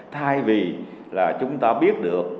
thay vì là chúng ta biết được